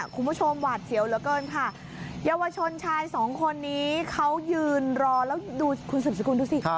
คุณผู้ชมหวาดเสียวเหลือเกินค่ะเยาวชนชายสองคนนี้เขายืนรอแล้วดูคุณสืบสกุลดูสิ